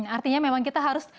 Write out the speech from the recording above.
artinya memang kita harus